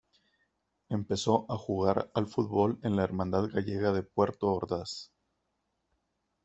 Empezó a jugar al fútbol en la Hermandad Gallega de Puerto Ordaz.